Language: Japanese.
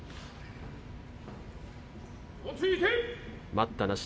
待ったなし。